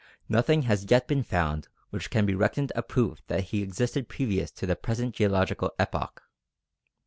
Nothing has yet been found which can be reckoned a proof that he existed previous to the present geological epoch.